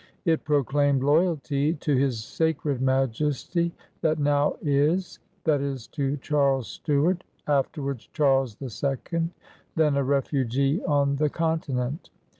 It pro claimed loyalty to " his sacred Majesty that now is'* — that is, to Charles Stuart, afterwards Charles the Second, then a refugee on the Continent.